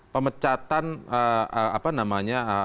pemecatan apa namanya